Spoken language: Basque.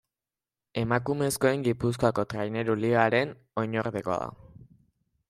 Emakumezkoen Gipuzkoako Traineru Ligaren oinordekoa da.